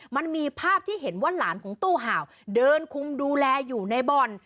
มันมีภาพที่เห็นว่าหลานของตู้ห่าวเดินคุมดูแลอยู่ในบ่อน